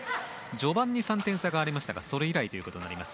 序盤に３点差がありましたがそれ以来となります。